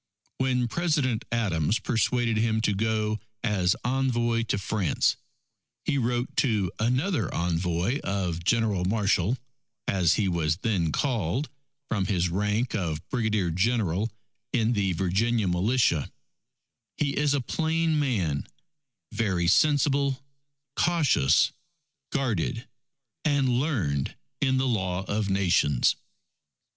When President Adams persuaded him to go as envoy to France, he wrote to another envoy of "General Marshall," as he was then called, from his rank of Brigadier General in the Virginia Militia: "He is a plain man, very sensible, cautious, guarded, and learned in the Law of Nations."